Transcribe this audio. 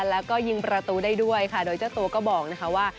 แล้วก็ยิงประตูได้ด้วยค่ะโดยเจ้าตัวก็บอกนะคะว่า